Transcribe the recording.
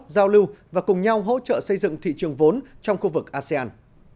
giao lưu và cùng nhau hỗ trợ xây dựng thị trường vốn trong khu vực asean